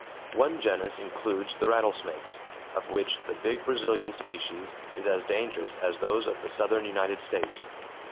One genus includes the rattlesnakes, of which the big Brazilian species is as dangerous as those of the southern United States.